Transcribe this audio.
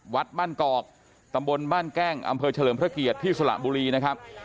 วัดบ้านกอกตำบลบ้านแก้งอำเภอเฉลิมพระเกียรติที่สระบุรีนะครับ